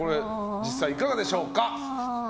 実際いかがでしょうか。